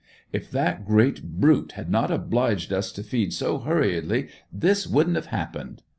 "If that great brute had not obliged us to feed so hurriedly, this wouldn't have happened!"